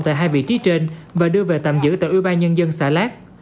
tại hai vị trí trên và đưa về tạm giữ tại ủy ban nhân dân xã lát